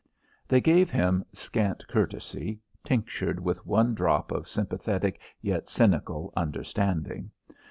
They gave him scant courtesy, tinctured with one drop of sympathetic yet cynical understanding.